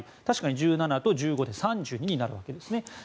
確かに１７と１５で３２になるわけですね。